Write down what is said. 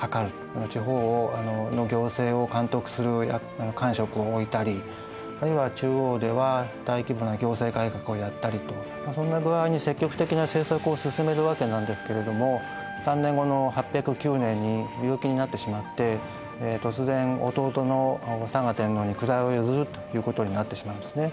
地方の行政を監督する官職を置いたりあるいは中央では大規模な行政改革をやったりとそんな具合に積極的な政策を進めるわけなんですけれども３年後の８０９年に病気になってしまって突然弟の嵯峨天皇に位を譲るということになってしまいますね。